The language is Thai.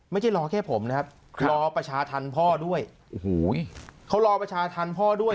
ไม่ใช่รอแค่ผมนะครับรอประชาธรรมพ่อด้วยโอ้โหเขารอประชาธรรมพ่อด้วย